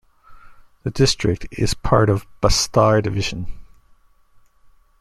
The district is part of Bastar Division.